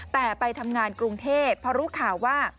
แต่ไปทำงานกรุงเทพพอรู้ข่าวว่า